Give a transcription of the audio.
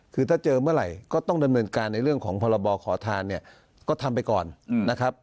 คือถ้าเจอเมื่อไหร่ก็ต้องดำเนินการในเรื่องของพรบขอทานเนี่ยก็ทำไปก่อนนะครับ